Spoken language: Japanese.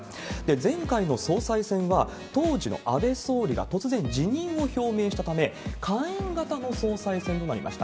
前回の総裁選は、当時の安倍総理が突然辞任を表明したため、簡易型の総裁選となりました。